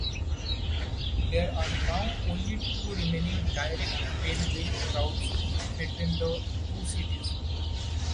There are now only two remaining direct railway routes between the two cities.